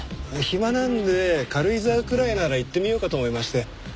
暇なんで軽井沢くらいなら行ってみようかと思いまして。